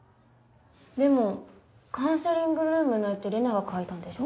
でもカウンセリングルームの絵ってレナが描いたんでしょ？